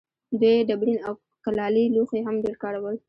دوی ډبرین او کلالي لوښي هم ډېر کارول.